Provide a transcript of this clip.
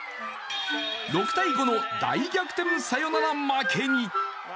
６−５の大逆転サヨナラ負けに。